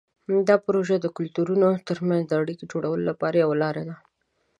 دا پروژه د کلتورونو ترمنځ د اړیکو جوړولو لپاره یوه لاره ده.